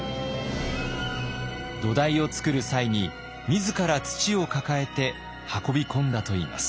土台をつくる際に自ら土を抱えて運び込んだといいます。